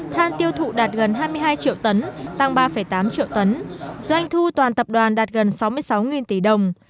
than tiêu thụ đạt gần hai mươi hai triệu tấn tăng ba tám triệu tấn doanh thu toàn tập đoàn đạt gần sáu mươi sáu tỷ đồng